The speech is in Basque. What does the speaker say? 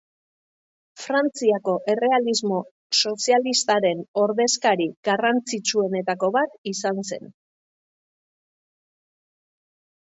Frantziako errealismo sozialistaren ordezkari garrantzitsuenetako bat izan zen.